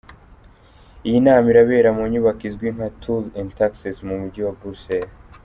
Iyi nama irabera mu nyubako izwi nka Tour & Taxis mu Mujyi wa Bruxelles.